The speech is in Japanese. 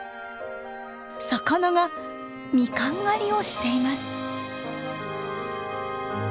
魚がミカン狩りをしています。